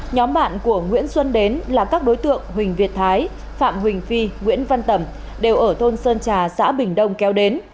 nhóm bạn của nguyễn xuân đến là các đối tượng huỳnh việt thái phạm huỳnh phi nguyễn văn tẩm đều ở thôn sơn trà xã bình đông kéo đến